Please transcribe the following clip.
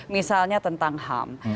misalnya tentang ham